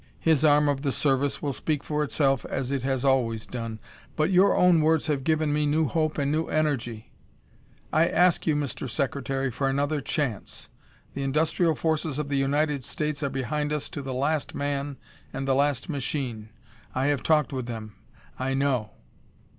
His arm of the service will speak for itself as it has always done. But your own words have given me new hope and new energy. I ask you, Mr. Secretary, for another chance. The industrial forces of the United States are behind us to the last man and the last machine. I have talked with them. I know!